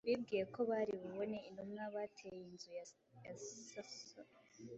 Bibwiye ko bari bubone intumwa, “bateye inzu ya Yasoni,